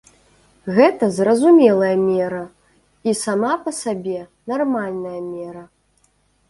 Гэта зразумелая мера, і сама па сабе нармальная мера.